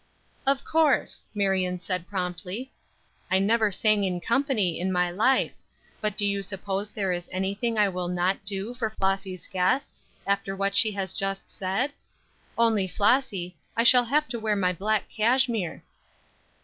"Of course," Marion said, promptly. "I never sang in company in my life; but do you suppose there is anything I will not do for Flossy's guests, after what she has just said? Only, Flossy, I shall have to wear my black cashmere."